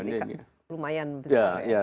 jadi lumayan besar ya